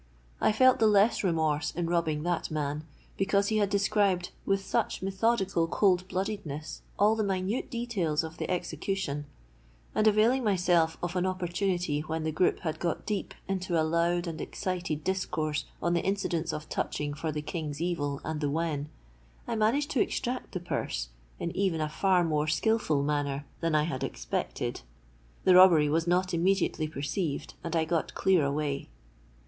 I felt the less remorse in robbing that man, because he had described, with such methodical cold bloodedness, all the minute details of the execution; and, availing myself of on opportunity when the group had got deep into a loud and excited discourse on the incidents of touching for the King's evil and the wen, I managed to extract the purse in even a far more skilful manner than I had expected. The robbery was not immediately perceived; and I got clear away.